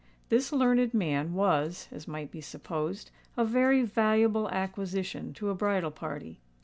This learned man was, as might be supposed, a very valuable acquisition to a bridal party.